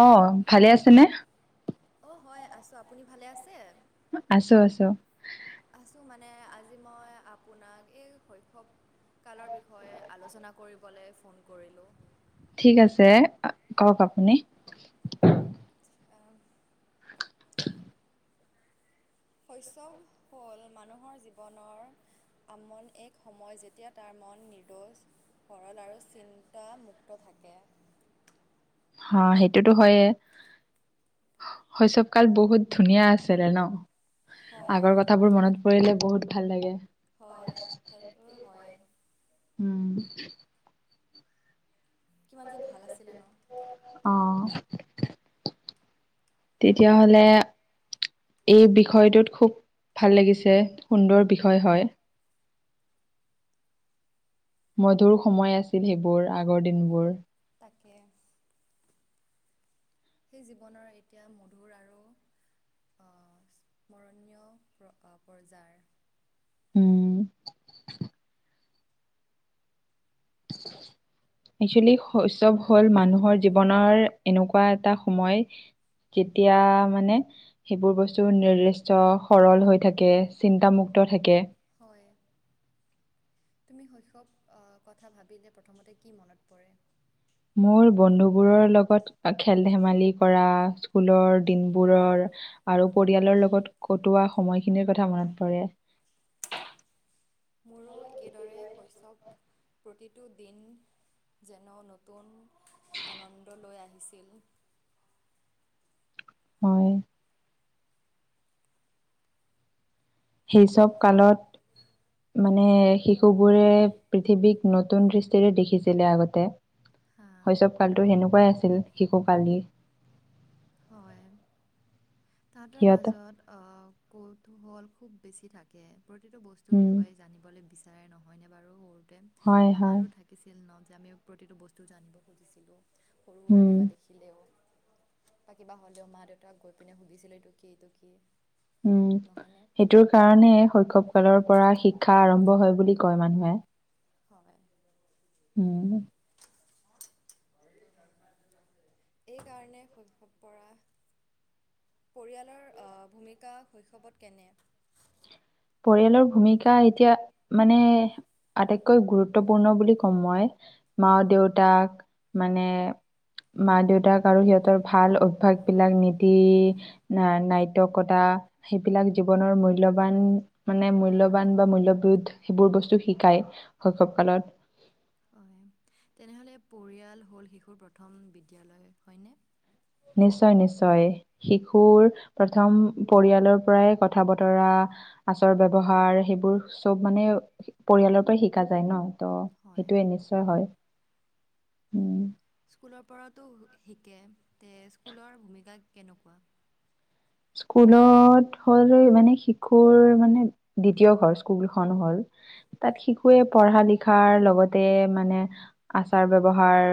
অ' ভালে আছেনে? অ হয় আছো। আপুনি ভালে আছে? মই আছো। আছো। আছোঁ মানে আজি মই আপোনাক এই শৈশৱ কালৰ বিষয়ে আলোচনা কৰিবলৈ ফোন কৰিলোঁ ঠিক আছে। কওক আপুনি আহ, শৈশৱ হ'ল মানুহৰ জীৱনৰ আমন এক সময় যেতিয়া তাৰ মন নিৰোজ, সৰল আৰু চিন্তামুক্ত থাকে। হ সেইটোতো হয়য়ে। শৈশৱ কাল বহুত ধুনীয়া আছিলে ন। হয় আগৰ কথাবোৰ মনত পৰিলে বহুত ভাল লাগে। হয়। হেল্পো হয়। উম কিমান যে ভাল আছিলে ন? অ তেতিয়াহ'লে এই বিষয়টোত খুব ভাল লাগিছে। সুন্দৰ বিষয় হয়। মধুৰ সময় আছিল। সেইবোৰ। আগৰ দিনবোৰ। তাকে। সেই জীৱনৰ এতিয়া মধুৰ আৰু স্মৰণীয় পৰ্যায় উম একচুৱেলি শৈশৱ হ'ল মানুহৰ জীৱনৰ এনেকুৱা এটা সময়, যেতিয়া মানে সেইবোৰ বস্তু নিৰ্দিষ্ট সৰল হৈ থাকে। চিন্তামুক্ত থাকে। তুমি শৈশৱ কথা ভাবিলে প্ৰথমতে কি মনত পৰে? মোৰ বন্ধুবোৰৰ লগত খেল-ধেমালি কৰা। স্কুলৰ দিনবোৰৰ আৰু পৰিয়ালৰ লগত কটোৱা সময়খিনিৰ কথা মনত পৰে। মোৰো একেদৰে শৈশৱ প্ৰতিটো দিন যেন নতুন আনন্দ লৈ আহিছিল। হয়। সেই চব কালত মানে শিশুবোৰে পৃথিৱীক নতুন দৃষ্টিৰে দেখিছিলে আগতে। হা শৈশৱ কালটো হয় সেনেকুৱাই আছিল শিশু কালি হয়। তাঁহাতৰ সিহঁত মাজত আহ- কৌতুহল খুব বেছি থাকে। প্ৰতিটো বস্তুৰ উম বিষয়ে জানিবলৈ বিচাৰে। নহয়নে বাৰু? হয় হয় আমাৰো থাকিছিল ন। আমিও প্ৰতিটো বস্তু জানিব খুজিছিলোঁ। সৰু-সুৰা উম কিবা দেখিলেও বা কিবা হ'লেও মা দেউতাক গৈ পিনে সুধিছিল এইটো কি এইটো কি। উম, নহয়নে? সেইটোৰ কাৰণে শৈশৱ ফালৰ পৰা শিক্ষা আৰম্ভ হয় বুলি কয় মানুহে। হয়। উম, এইকাৰণে শৈশৱ পৰা পৰিয়ালৰ ভূমিকা শৈশৱত কেনে। পৰিয়ালৰ ভূমিকা এতিয়া মানে আটাইতকৈ গুৰুত্বপূৰ্ণ বুলি কম মই মা দেউতাক মানে মা দেউতাক আৰু সিহতৰ ভাল অভ্যাস বিলাক নীতি নাট্যকতা সেইবিলাক জীৱনৰ মূল্যৱান মানে মূল্যবান বা মূল্যবোধ সেইবোৰ বস্তু শিকায় শৈশৱ কালত। হয় তেনেহ'লে পৰিয়াল হ'ল শিশুৰ প্ৰথম বিদ্যালয় হয়নে। নিশ্চয় - নিশ্চয় শিশুৰ প্ৰথম পৰিয়ালৰ পৰাই কথা বতৰা আচাৰ ব্যৱহাৰ সেইবোৰ চব মানে পৰিয়ালৰ পৰাই শিকা যায় ন। তো হয় সেইটোৱে নিশ্চয় হয়। উম, স্কুলৰ পৰাতো শিকে তে স্কুলৰ ভূমিকা কেনেকুৱা। স্কুলত হ'ল মানে শিশুৰ মানে দ্বিতীয় ঘৰ স্কুলখন হল তাত শিশুৱে পঢ়া লিখাৰ লগতে মানে আচাৰ ব্যৱহাৰ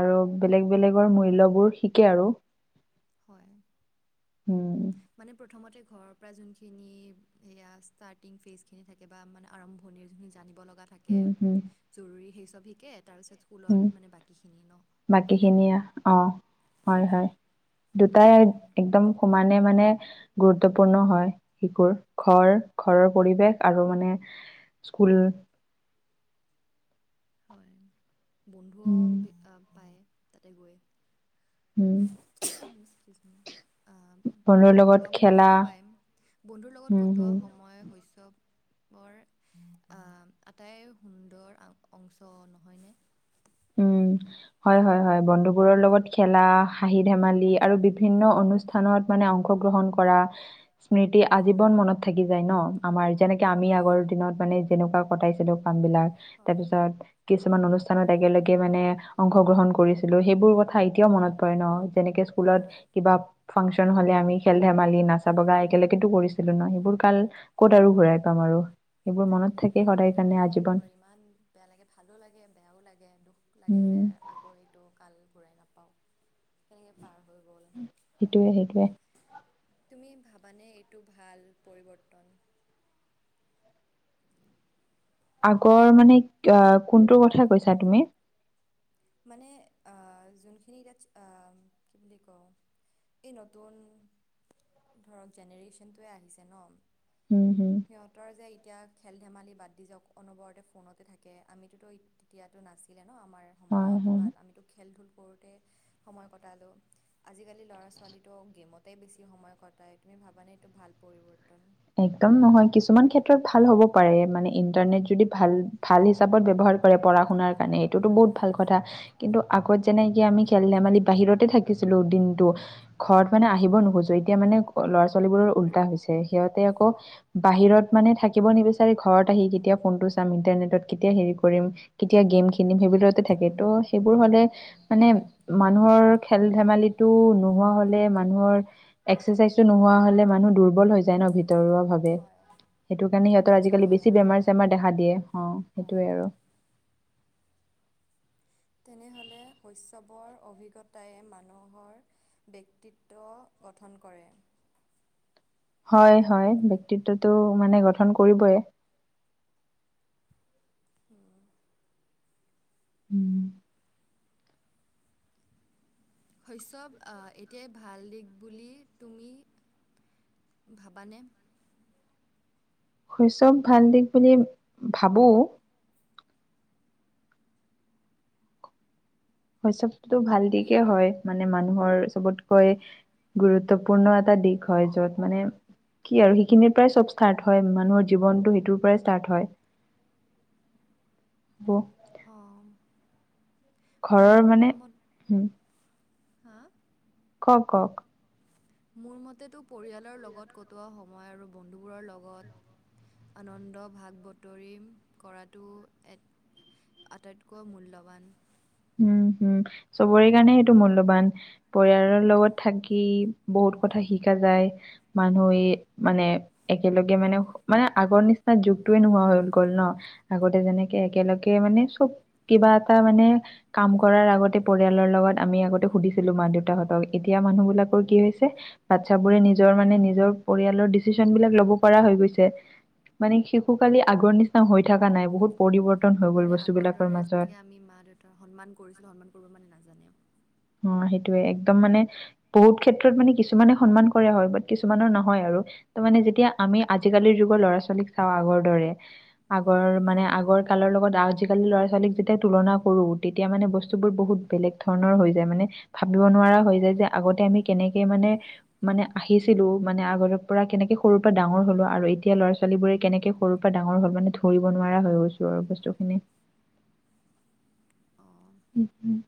আৰু বেলেগ - বেলেগৰ মূল্যবোৰ শিকে আৰু। হয়। উম মানে প্ৰথমতে ঘৰৰ পৰা যোনখিনি সয়া ষ্টাৰ্টিং ফেজ খিনি থাকে বা মানে আৰম্ভণিৰ সেইখিনি জানিব লগা থাকে উম হম জৰুৰীেই। লভিকেত তাৰপিছত উম স্কুলত মানে বাকীখিনি ন বাকী হয়নে। খিনিয়ে অ হয় হয় দুটাই একদম সমানে মানে গুৰুত্বপূৰ্ণ হয় শিশুৰ ঘৰ- ঘৰৰ পৰিৱেশ আৰু মানে স্কুল। হয়। বন্ধুও উম বি পায়। তাতে গৈ উম, এক্সকিউজ মি বন্ধুৰ লগত লগ খেলা বন্ধুতো পাইম বন্ধুৰ লগত উম কটোৱা হম সময় শস্য বৰ আহ, আটাই সুন্দৰ। অংশ নহয়নে। উম, হয় - হয় - হয় বন্ধুবোৰৰ লগত খেলা হাহি ধেমালি আৰু বিভিন্ন অনুষ্ঠানত মানে অংশগ্ৰহণ কৰা স্মৃতি আজীৱন মনত থাকি যায় ন। আমাৰ যেনেকে আমি হয় আগৰ দিনত মানে যেনেকুৱা কটাইছিলো কামবিলাক হয় তাৰপিছত কিছুমান অনুষ্ঠানত একেলগে মানে অংশগ্ৰহণ কৰিছিলো সেইবোৰ কথা এতিয়াও মনত পৰে ন। যেনেকে স্কুলত হয় কিবা ফাংচন হলে আমি খেল ধেমালি নাচা বগা একেলগেতো কৰিছিলো ন সেইবোৰ কাল ক'ত আৰু ঘুৰাই পাম আৰু। সেইবোৰ মনত তাকে থাকে মোৰো সদায় কেতিয়াবা কাৰণে মনত আজীৱন পৰে ইমান বেয়া লাগে ভালো লাগে বেয়াও লাগে। দুখ লাগে উম যে আকৌ এইটো কাল ঘূৰাই নাপাও তেনেকে পাৰ হৈ গ'ল সেইটোৱে - সেইটোৱে। তুমি ভাবানে এইটো ভাল পৰিৱৰ্তন। আগৰ মানে আহ, কোনটোৰ কথা কৈছা তুমি? মানে যোনখিনি এতিাত কি বুলি কও এই নতুন ধৰক জেনেৰেশ্যনটোৱে আহিছে ন। উম, হম। সিহতৰ যে এতিয়া খেল ধেমালি বাদ দি যাওঁ, ক অনবৰতে ফোনতে থাকে আমিতোত তেতিয়াতো নাছিলে ন আমাৰ হয় সময়ত হয়। ইমান নামতো কি খেল-ধূল কৰোঁতে সময় কটালোঁ, আজিকালি ল'ৰা ছোৱালীটো গেমতে বেছি সময় কটাই তুমি ভাবানে এইটো ভাল পৰিৱৰ্তন? একদম নহয়। কিছুমান ক্ষেত্ৰত ভাল হ'ব পাৰে, মানে ইন্টাৰনেট যদি ভাল ভাল হিচাপত ব্যৱহাৰ কৰে পঢ়া শুনাৰ কাৰণে এইটোতো বহুত ভাল কথা কিন্তু আগত যেনেকি আমি খেল ধেমালি বাহিৰতে থাকিছিলো দিনতটো, ঘৰত মানে আহিব নোখোজো এতিয়া মানে ল'ৰা ছোৱালী বোৰৰ ওল্টা হৈছে। সিহতে আকৌ বাহিৰত মানে থাকিব নিবিচাৰি ঘৰত আহি কেতিয়া ফোনটো চাম, ইন্টাৰনেটত কেতিয়া হেৰি কৰিম, কেতিয়া গেম খেলিম সেইবোৰতে থাকে, ত' সেইবোৰ হ'লে মানে মানুহৰ খেল ধেমালিটো নোহোৱা হ'লে মানুহৰ এক্সাৰচাইজটো নোহোৱা হ'লে মানুহ দুৰ্বল হৈ যায় ন ভিতৰুৱা ভাৱে। হয় সেইটো কাৰণে সিহঁতৰ গা চা আজিকালি ভালে বেছি নাথাকে বেমাৰ-চেমাৰ দেখা দিয়ে। অ অঁ সেইটোৱে আৰু। তেনেহ'লে শস্যৱৰ অভিজ্ঞতায়ে মানুহৰ ব্যক্তিত্ব গঠন কৰে। হয় হয়, বক্তিত্বটো মানে গঠন কৰিবয়ে। উম। উম। শৈস্যৱ। অ, এতিয়াই ভাল দিশ বুলি তুমি ভাবানে? শৈস্যৱ ভাল দিশ বুলি ভাবোঁ। শৈস্যৱটোতো ভাল দিশে হয় মানে মানুহৰ চবতকৈ গুৰুত্বপূৰ্ণ এটা দিশ হয়, য'ত মানে কি আৰু সেইখিনিৰ পৰাই চব ষ্টাৰ্ট হয় মানুহৰ জীৱনটো সেইটোৰ পৰাই ষ্টাৰ্ট হয়। অ। মোৰ ঘৰৰ মানে, ম হুম হা? ক'ক ক'ক। মোৰ মতেতো পৰিয়ালৰ লগত কটোৱা সময় আৰু বন্ধুবোৰৰ লগত আনন্দ ভাগ বতৰি কৰাটো এক আটাইতকৈ মূল্যৱান। উম হুম, চবৰে কাৰণে সেইটো মূল্যবান। পৰিয়ালৰ লগত থাকি বহুত কথা শিকা যায়। মানুহে মানে একেলগে মানে মানে আগৰ নিচিনা যুগটোয়ে নোহোৱা হৈ গ'ল ন'! আগতে যেনেকে একেলগে মানে চব কিবা এটা মানে কাম কৰাৰ আগতে পৰিয়ালৰ লগত আমি আগতে সুধিছিলো মা দেউতাহতক। এতিয়া মানুহ বিলাকৰ কি হৈছে বাচ্ছা বোৰে নিজৰ মানে নিজৰ পৰিয়ালৰ ডিচিচন বিলাক লব পৰা হৈ গৈছে মানে শিশু কালি আগৰ নিচিনা হৈ থকা নাই বহুত পৰিবৰ মানে আগৰ দৰে যেনেকে আমি মা, দেউতাক সন্মান কৰিছিলো, সন্মান কৰিব মানে নাজানে। অ, সেইটোয়ে একদম মানে বহুত ক্ষেত্ৰত মানে কিছুমানে সন্মান কৰা হয়। বাট কিছুমানৰ নহয় আৰু ত মানে যেতিয়া আমি আজিকালিৰ যুগৰ ল'ৰা, ছোৱালীক চাওঁ আগৰ দৰে আগৰ মানে আগৰ কালৰ লগত আজিকালি ল'ৰা-ছোৱালীক যেতিয়া তুলনা কৰো, তেতিয়া মানে বস্তু বোৰ বহুত বেলেগ ধৰণৰ হৈ মানে ভাবিব নোৱাৰা হৈ যায় যে হয়। আগতে আমি কেনেকে মানে, মানে আহিছিলো। মানে আগৰে পৰা কেনেকে সৰুৰ পৰা ডাঙৰ হলো আৰু এতিয়া ল'ৰা- ছোৱালীবোৰে কেনেকে সৰুৰ পৰা ডাঙৰ হ'ল মানে ধৰিব নোৱাৰা হৈ গৈছো আৰু বস্তুখিনি। উম, উম।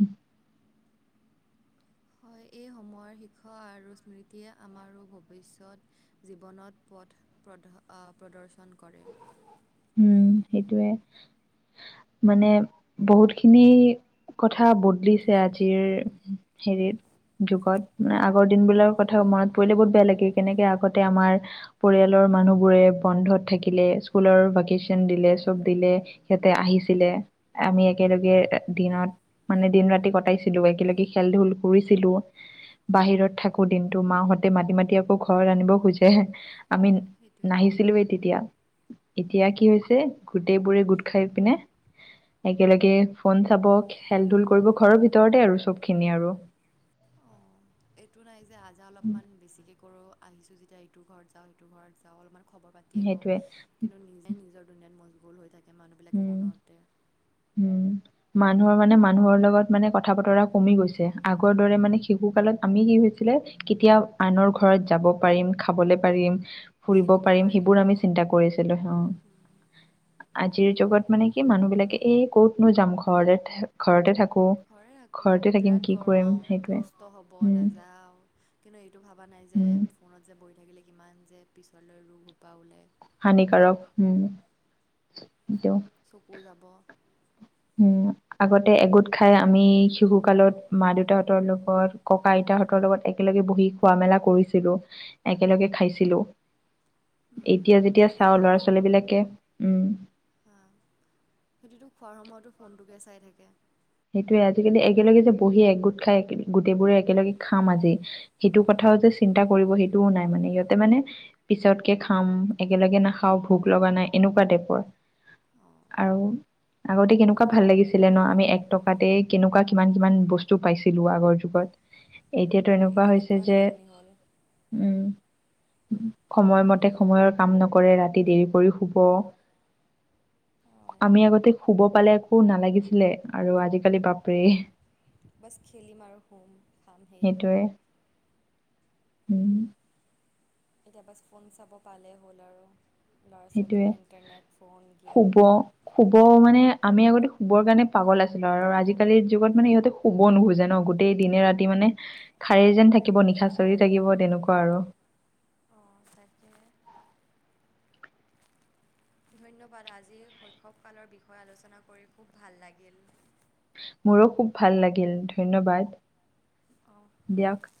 উম। হয়, এই সময়ৰ শিক্ষা আৰু স্মৃতিয়ে আমাৰো ভৱিষ্যত জীৱনত পথ, পদ প্ৰদৰ্শন কৰে। উ'ম, সেইটোয়ে মানে বহুত খিনি কথা বদলিছে, আজিৰ হেৰিত যুগত মানে আগৰ দিনবলাকৰ কথা মনত পৰিলে বহুত বেয়া লাগে, কেনেকে আগতে আমাৰ পৰিয়ালৰ মানুহবোৰে বন্ধত থাকিলে স্কুলৰ ভেকেচন দিলে চব দিলে সিহতে আহিছিলে আমি একেলগে দিনত মানে দিন ৰাতি কটাইছিলো। একেলগে খেল- ধূল হয়, কৰিছিলো বাহিৰত থাকো দিনতটো মাহঁতে মাতি, মাতি আকৌ ঘৰত আনিব খোজে। আমি সেইটোৱে। নাহিছিলোৱে তেতিয়া। [unintelligible] এতিয়া কি হৈছে? গোটেইবোৰে গোট খাই পিনে একেলগে ফোন চাব, খেল -ধূল কৰিব ঘৰৰ ভিতৰতে আৰু চব খিনি আৰু। এইটো নাই আ' অলপমান বেছিকৈ কৰোঁ। আহিছোঁ যেতিয়া এইটো ঘৰত যাওঁ, সেইটো ঘৰত যাওঁ অলপমান খবৰ পাতি লওঁ। সেইটোৱে কিন্তু নিজে নিজৰ দুুনীয়াত মজ মগন হৈ থাকে। সেই মানুহবিলাকে উম ফোনতে উম মানুহৰ মানে মানুহৰ লগত মানে কথা- বতৰা কমি গৈছে। আগৰ দৰে মানে শিশু কালত আমি কি হৈছিলে? কেতিয়া আনৰ ঘৰত যাব পাৰিম, খাবলৈ পাৰিম। ফুৰিব খেলিব পাৰিম, সেইবোৰ ন আমি চিন্তা কৰিছিলো হ। যুগত মানে কি মানুহ বিলাকে এই ক'তনো যাম ঘৰতে- ঘৰতে থাকো। হয়, আকৌ ঘৰতে থাকিম বিৰাট কি কৰিম গৰম সেইটোৱে কষ্ট হ'ব উম নাযাওঁ। কিন্তু এইটো ভবা নাই যে উম ফোনত যে বহি থাকিলে কিমান যে পিছলৈ ৰোগ হোপা উলাই। হানিকাৰক হু'ম। চকু যা ব। উ'ম আগতে এগোট খাই আমি শিশু কালত মা- দেউতাহঁতৰ লগত ককা- আইতাহঁতৰ লগত একেলগে বহি খোৱা মেলা কৰিছিলো। একেলগে খাইছিলো। এতিয়া -যেতিয়া চাও ল'ৰা আজিকালিতো ছোৱালী বিলাকে উ'ম টো ফোনটোকে চাই থাকে। সেইটোৱে আজিকালি একেলগে যে বহি একগোট খাই গোটেইবোৰে একেলগে খাম আজি সেইটো কথাও যে চিন্তা কৰিব সেইটোও নাই। মানে সিহঁতে মানে পিছতকে খাম একেলগে নাখাওঁ ভোক লগা নাই। এনেকুৱা টাইপৰ অঁ আৰু আগতে কেনেকুৱা ভাল লাগিছিলে ন আমি টকাতে কেনেকুৱা কিমান -কিমান বস্তু পাইছিলো। আগৰ যুগত। এতিয়াতো হয় এনেকুৱা এতিয়াতো হৈছে কিমান যে- সলনি হ'ল উ'ম সময়মতে সময়ৰ কাম নকৰে ৰাতি দেৰি কৰি শুব। হয় আমি আগতে শুব পালে একো নালাগিছিলে। আৰু আজিকালি বাপৰে। বাছ খেলিম আৰু শুম, খাম সেয়ে। সেইটোৱে উ'ম। এতিয়া বাছ ফোন চাব পালেই হ'ল আৰু ল'ৰা ছোৱালী সেইটোৱে ইণ্টাৰনেট ফোন গেম শুব- শুব মানে আমি আগতে শুবৰ কাৰণে পাগল আছিলো। আৰু আজিকালিৰ যুগত মানে সিহঁতে শুব নোখোজে ন। গোতেই দিনে -ৰাতি মানে সাৰেই যেন থাকিব নিশাচৰে থাকিব। তেনেকুৱা আৰু অঁ তাকে ধন্যবাদ আজি শৈশৱকালৰ বিষয়ে আলোচনা কৰি খুব ভাল লাগিল। মোৰো খুব ভাল লাগিল। ধন্যবাদ অঁ দিয়ক।